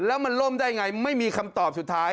แล้วมันล่มได้ไงไม่มีคำตอบสุดท้าย